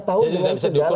lima tahun dengan segala